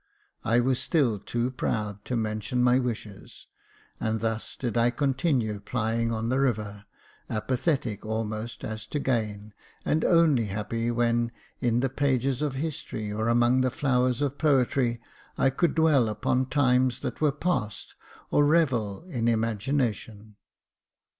I was still too proud to mention my wishes, and thus did I continue plying on the river, apathetic almost as to gain, and only happy when, in the pages of history or among the flowers of poetry, I could dwell upon times that were past, or revel in imagina tion.